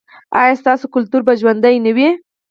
ایا ستاسو کلتور به ژوندی نه وي؟